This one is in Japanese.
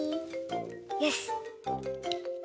よし！